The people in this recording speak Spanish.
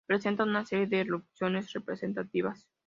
Presentan una serie de erupciones representativas.